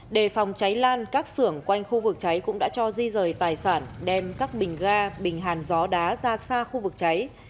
đề phòng cháy lan các sưởng quanh khu vực cháy cũng đã cho di rời tài sản đem các bình ga bình hàn gió đá ra xa khu vực cháy